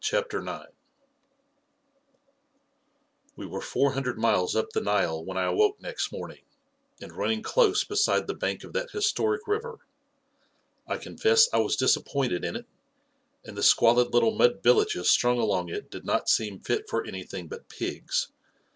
CHAPTER IX We were four hundred miles up the Nile when I awoke next morning, and running close beside the bank of that historic river. I confess I was dis appointed in it, and the squalid little mud villages strung along it did not seem fit for anything but pigs.